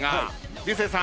竜星さん